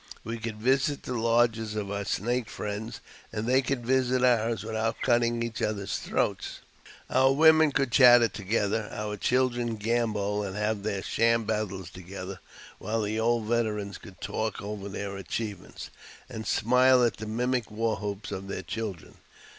We could visit the lodges ■of our Snake friends, and they could visit ours without cutting ■each other's throats. Our women could chatter together, our children gambol and have their sham battles together, while the old veterans could talk over their achievements, and smile at the mimic war whoops of their children.